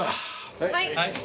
はい。